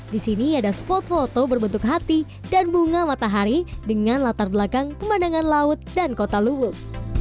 di sini ada spot foto berbentuk hati dan bunga matahari dengan latar belakang pemandangan laut dan kota lubuk